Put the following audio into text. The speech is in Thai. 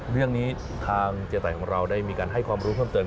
เรื่องนี้ทางเจ๊ไตของเราได้มีการให้ความรู้เพิ่มเติม